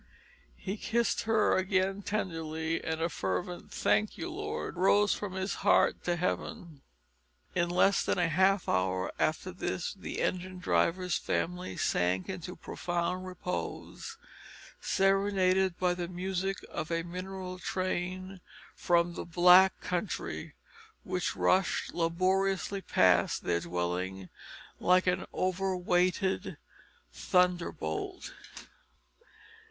He kissed her again tenderly, and a fervent "thank the Lord!" rose from his heart to heaven. In less than half an hour after this the engine driver's family sank into profound repose, serenaded by the music of a mineral train from the black country, which rushed laboriously past their dwelling like an over weighted thunderbolt.